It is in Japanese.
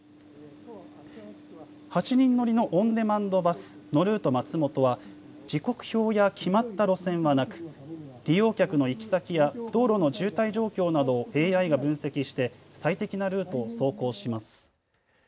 ８人乗りのオンデマンドバス、のるーと松本は時刻表や決まった路線はなく利用客の行き先や道路の渋滞状況などをＡＩが分析して最適なルートを走行します。